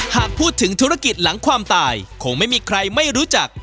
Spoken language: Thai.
หากพูดถึงธุรกิจหลังความตายคงไม่มีใครไม่รู้จัก